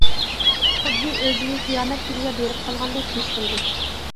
خۇددى ئۆزىنى قىيامەت كۈنىگە بېرىپ قالغاندەك ھېس قىلىدۇ.